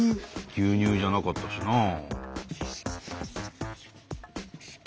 牛乳じゃなかったしなあ。